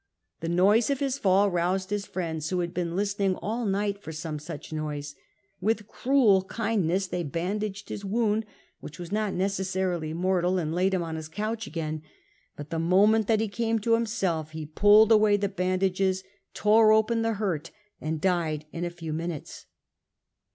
The noise of his fall roused his friends, who had been listening all night for some such noise. With cruel kindness they bandaged his wound, which was not necessarily mortal, and laid him on his couch again. But the moment that he came to himself he pulled away the bandages, tore open the hurt, and died in a few minutes.